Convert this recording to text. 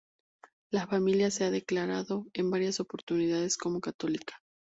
La familia se ha declarado en varias oportunidades como católica.